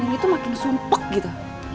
dan ini tuh makin sumpah gitu